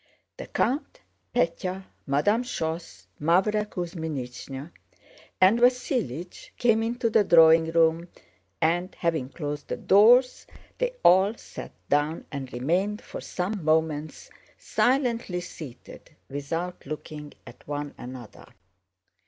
The count, Pétya, Madame Schoss, Mávra Kuzmínichna, and Vasílich came into the drawing room and, having closed the doors, they all sat down and remained for some moments silently seated without looking at one another.